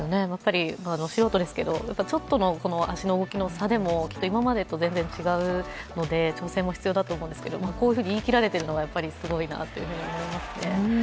素人ですけれども、ちょっとの足の動きの差でも今までと全然違うので、調整も必要だと思いますけどこういうふうに言い切られてるのが、すごいなと思いますね。